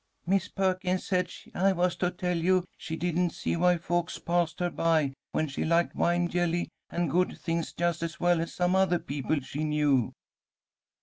"Mis' Perkins said I was to tell you she didn't see why folks passed her by when she liked wine jelly and good things just as well as some other people she knew."